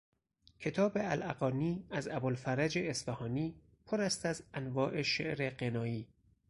کتاب الاغانی از ابوالفرج اصفهانی پر است از انواع شعر غنایی